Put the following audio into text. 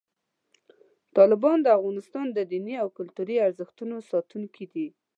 طالبان د افغانستان د دیني او کلتوري ارزښتونو ساتونکي دي.